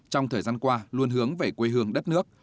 trong thời gian qua luôn hướng về quê hương đất nước